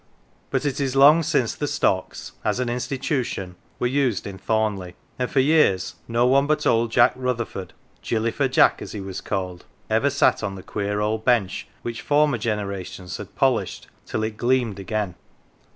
But it is long since the stocks as an institution were used in Thornleigh, and for years no one but old Jack Rutherford " Gilly f 'er Jack,"" as he was called ever sat on the queer old bench which former generations had polished till it gleamed again.